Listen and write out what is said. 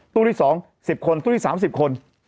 ตู้ที่๒๐คนตู้ที่๓๐คน